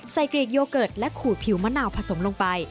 เกรดโยเกิร์ตและขูดผิวมะนาวผสมลงไป